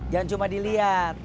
jangan cuma dilihat